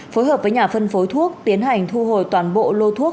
phối hợp với nhà phân phối thuốc tiến hành thu hồi toàn bộ lô thuốc